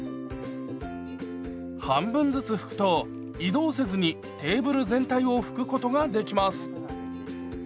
半分ずつ拭くと移動せずにテーブル全体を拭くことができます。